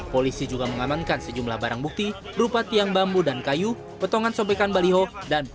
polisi juga mengamankan sejumlah barang bukti rupa tiang bambu dan kain